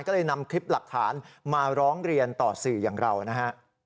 ก็เลยนำคลิปหลักฐานมาร้องเรียนต่อสื่ออย่างเรานะฮะ